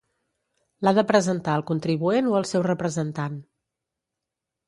L'ha de presentar el contribuent o el seu representant.